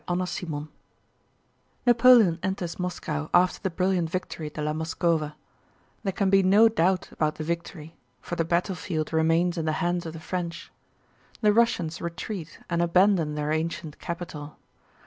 CHAPTER VIII Napoleon enters Moscow after the brilliant victory de la Moskowa; there can be no doubt about the victory for the battlefield remains in the hands of the French. The Russians retreat and abandon their ancient capital.